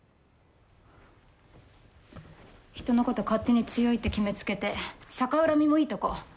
人のこと勝手に強いって決めつけて逆恨みもいいとこ